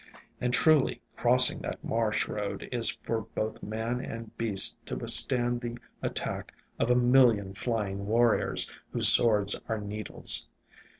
And, truly, crossing that marsh road is for both man and beast to withstand the attack of a million flying warriors, whose swords are needles.